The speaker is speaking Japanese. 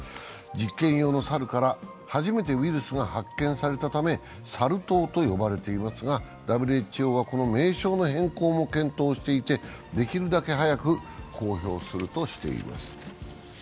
実験用の猿から初めてウイルスが発見されたためサル痘と呼ばれていますが、ＷＨＯはこの名称の変更も検討していて、できるだけ早く公表するとしています。